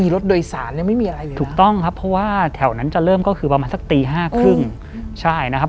เริ่มก็คือประมาณสักตี๕๓๐นะครับ